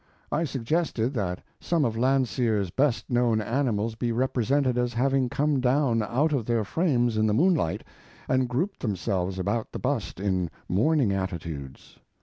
I suggested that some of Landseer's best known animals be represented as having come down out of their frames in the moonlight and grouped themselves about the bust in mourning attitudes.